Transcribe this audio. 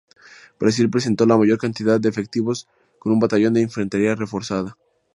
Brasil presentó la mayor cantidad de efectivos con un batallón de infantería reforzada.